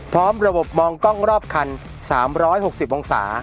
พร้อมระบบมองกล้องรอบคัน๓๖๐องศา